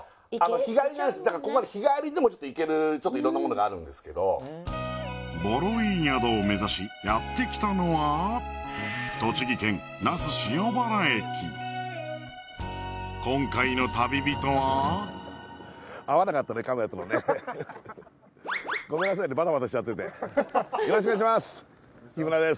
日帰りなんですだからここはね日帰りでもちょっと行けるちょっと色んなものがあるんですけどボロいい宿を目指しやってきたのは今回の旅人はごめんなさいねバタバタしちゃっててよろしくお願いします